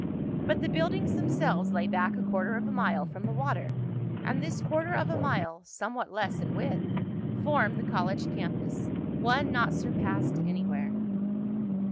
But the buildings themselves lay back a quarter of a mile from the water, and this quarter of a mile, somewhat less in width, formed the college campus one not surpassed anywhere.